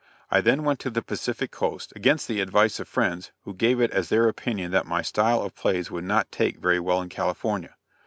I then went to the Pacific Coast, against the advice of friends who gave it as their opinion that my style of plays would not take very well in California.